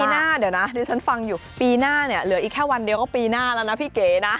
หน้าเดี๋ยวนะที่ฉันฟังอยู่ปีหน้าเนี่ยเหลืออีกแค่วันเดียวก็ปีหน้าแล้วนะพี่เก๋นะ